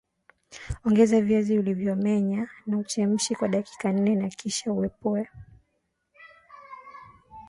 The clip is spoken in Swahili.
Ongeza viazi ulivyomenya na uchemshe kwa dakika nne na kisha uepue